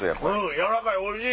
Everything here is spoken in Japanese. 軟らかいおいしい！